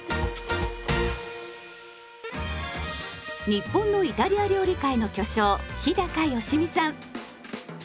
日本のイタリア料理界の巨匠日良実さん。